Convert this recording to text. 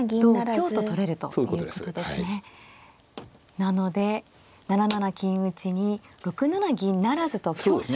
なので７七金打に６七銀不成と香車を取りました。